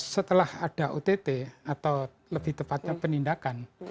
setelah ada ott atau lebih tepatnya penindakan